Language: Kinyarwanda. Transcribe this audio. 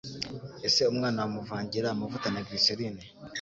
Ese umwana wamuvangira amavuta na Glycerine